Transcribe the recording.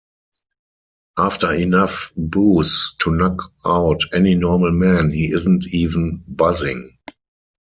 After enough booze to knock out any normal man, he isn't even buzzing.